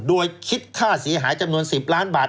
โดยคิดค่าเสียหายจำนวน๑๐ล้านบาท